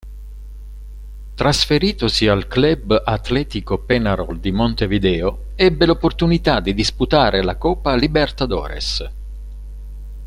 Trasferitosi al Club Atlético Peñarol di Montevideo, ebbe l'opportunità di disputare la Copa Libertadores.